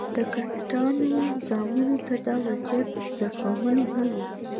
د کسټانو زامنو ته دا وضعیت د زغملو نه و.